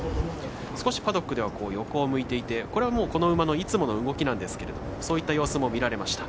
少しパドックでは横を向いていてこれは、この馬のいつもの動きなんですけどそういった様子も見られました。